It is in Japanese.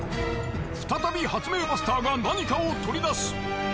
再び発明バスターが何かを取り出す。